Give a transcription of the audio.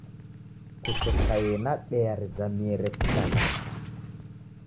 Kusekaie na bea rizamie rekunda w'aka